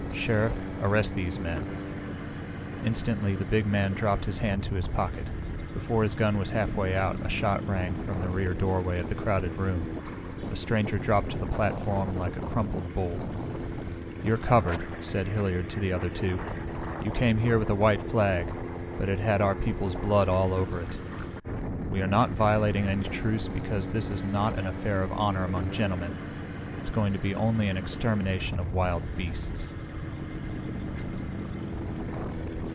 Sheriff, arrest these men!" Instantly, the big man dropped his hand to his pocket. Before his gun was halfway out, a shot rang from the rear doorway of the crowded room. The stranger dropped to the platform like a crumpled bull. "You're covered," said Hilliard to the other two. "You came here with a white flag, but it had our people's blood all over it. We are not violating any truce because this is not an affair of honor among gentlemen. It's going to be only an extermination of wild beasts!"